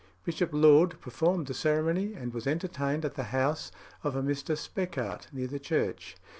Bishop Laud performed the ceremony, and was entertained at the house of a Mr. Speckart, near the church.